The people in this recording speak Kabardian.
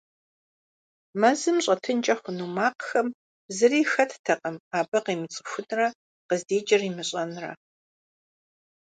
Мэзым щӏэтынкӏэ хъуну макъхэм зыри хэттэкъым абы къимыцӏыхунрэ къыздикӏыр имыщӏэнрэ.